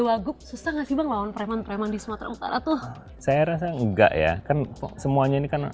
wagup susah nggak sih bang lawan preman preman di sumatera utara tuh saya rasa enggak ya kan semuanya ini kan